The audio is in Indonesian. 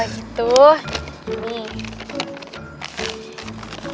yaudah kalau gitu